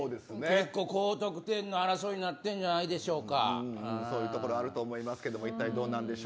高得点の争いになってるんじゃないでしょうか。